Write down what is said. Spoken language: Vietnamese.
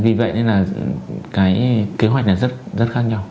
vì vậy nên là kế hoạch rất khác nhau